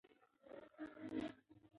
دا موټر ډېر کارېدونکی دی.